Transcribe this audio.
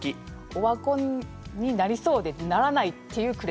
オワコンになりそうでならないっていうクレープです。